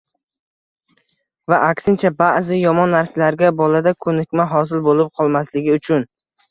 va aksincha ba’zi yomon narsalarga bolada ko‘nikma hosil bo‘lib qolmasligi uchun